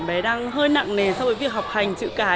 bé đang hơi nặng nề so với việc học hành chữ cái